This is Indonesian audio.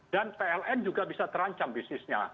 dan pln juga bisa terancam bisnisnya